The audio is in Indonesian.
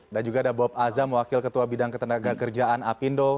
dan juga ada bob azam wakil ketua bidang ketenagakerjaan apindo